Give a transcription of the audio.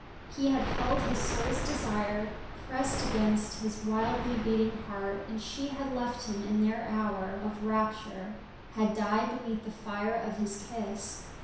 He had held his soul's desire pressed against his wildly beating heart, and she had left him in their hour of rapture; had died beneath the fire of his kiss.